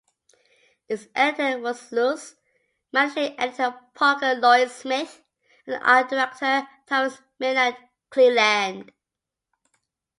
Its editor was Luce, managing editor Parker Lloyd-Smith, and art director Thomas Maitland Cleland.